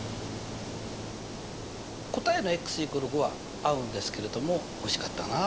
答えの＝５は合うんですけれども惜しかったな。